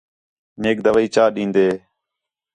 میک دوائی چا ݙنیں